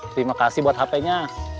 terima kasih buat hpnya